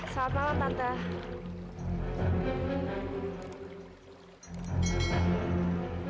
selamat malam tante